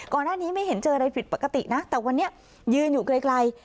ก่อนหน้านี้ไม่เห็นเจออะไรผิดปกตินะแต่วันนี้ยืนอยู่ไกลไกล